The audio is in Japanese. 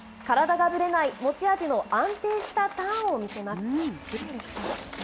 体がぶれない持ち味の安定したターンを見せます。